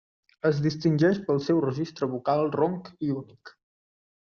Es distingeix pel seu registre vocal ronc i únic.